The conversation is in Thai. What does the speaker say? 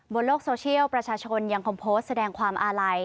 บนโลกโซเชียลประชาชนยังคงโพสต์แสดงความอาลัย